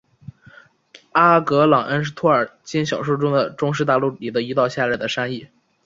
阿格朗恩是托尔金小说的中土大陆里的一道狭窄的山隘。